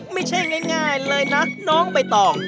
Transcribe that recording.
ไม่ใช่ง่ายง่ายเลยนะน้องไปต่อง